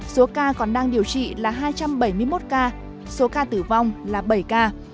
số ca còn đang điều trị là hai trăm bảy mươi một ca số ca tử vong là bảy ca